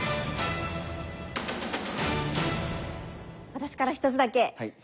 私から一つだけ。